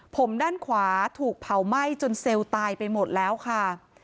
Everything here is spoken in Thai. ผมด้านขวาถูกเผาไหม้จนเซลล์ตายไปหมดแล้วค่ะ